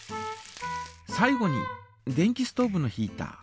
最後に電気ストーブのヒータ。